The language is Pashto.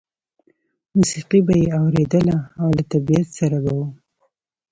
موسیقي به یې اورېدله او له طبیعت سره به و